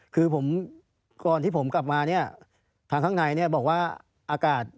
คือก่อนที่ผมกลับมาถังข้างในบอกว่า